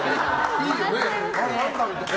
いいよね。